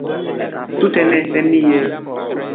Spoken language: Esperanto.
Tute ne, neniel.